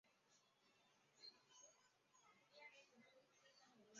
仁安羌镇为缅甸马圭省马圭县的镇区。